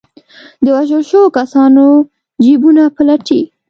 د وژل شوو کسانو جېبونه پلټي.